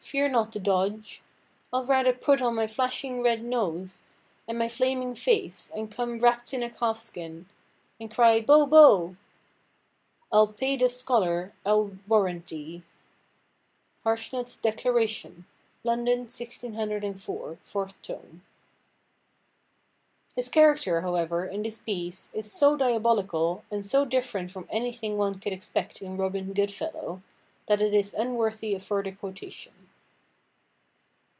fear not the dodge. I'll rather put on my flashing red nose, and my flaming face, and come wrap'd in a calf–skin, and cry Bo, bo! I'll pay the scholar, I warrant thee."—(Harsnet's Declaration, London, 1604, 4to.) His character, however, in this piece, is so diabolical, and so different from anything one could expect in Robin Good–fellow, that it is unworthy of further quotation.